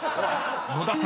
［野田さん